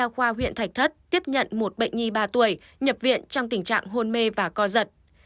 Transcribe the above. khoa huyện thạch thất tiếp nhận một bệnh nhi ba tuổi nhập viện trong tình trạng hôn mê và co giật